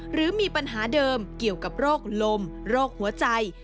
หรือมีปัญหาเดิมเกี่ยวกับโรคลมโรคหัวใจ